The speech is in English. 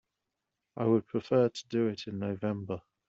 I would prefer to do it in November.